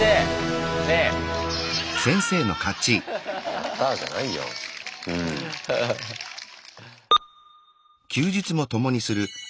やったじゃないようん。うん。ああ。